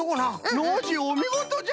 ノージーおみごとじゃよ！